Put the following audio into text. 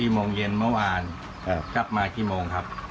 โมงเย็นเมื่อวานกลับมากี่โมงครับ